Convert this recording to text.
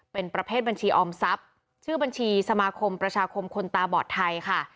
เป็นประเภทบัญชีออมทรัพย์ชื่อบัญชีสมาคมประชาคมคนตาบอดไทยค่ะ